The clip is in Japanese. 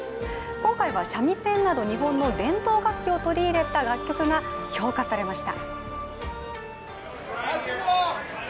今回は三味線など日本の伝統楽器を取り入れた楽曲が評価されました。